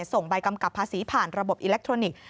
ส่งใบกำกับภาษีผ่านระบบอิเล็กทรอนิกส์